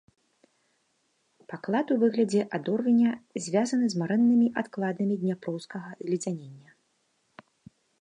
Паклад у выглядзе адорвеня звязаны з марэннымі адкладамі дняпроўскага зледзянення.